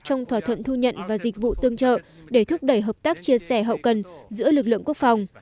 trong thỏa thuận thu nhận và dịch vụ tương trợ để thúc đẩy hợp tác chia sẻ hậu cần giữa lực lượng quốc phòng